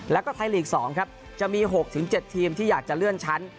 แล้วก็ไทยลีก๒ครับจะมี๖๗ทีมที่อยากจะเลื่อนชั้น